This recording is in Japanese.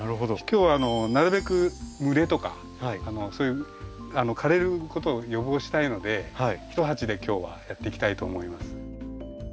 今日はなるべく蒸れとかそういう枯れることを予防したいので１鉢で今日はやっていきたいと思います。